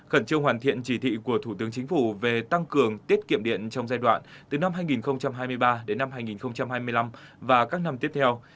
khẩn trương hoàn thiện chỉ thị của thủ tướng chính phủ về tăng cường tiết kiệm điện trong giai đoạn từ năm hai nghìn hai mươi ba đến năm hai nghìn hai mươi năm và các năm tiếp theo